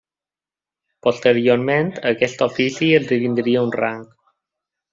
Posteriorment, aquest ofici esdevindria un rang.